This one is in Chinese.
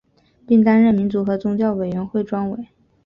并担任民族和宗教委员会专委。